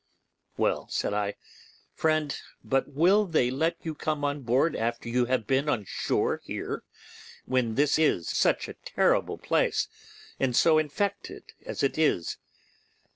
'Well,' said I, 'friend, but will they let you come on board after you have been on shore here, when this is such a terrible place, and so infected as it is?